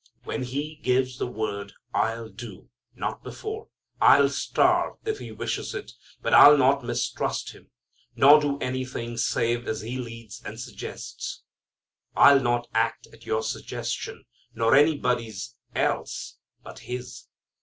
When He gives the word, I'll do: not before. I'll starve if He wishes it, but I'll not mistrust Him; nor do anything save as He leads and suggests. I'll not act at your suggestion, nor anybody's else but His.